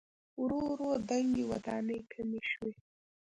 ورو ورو دنګې ودانۍ کمې شوې.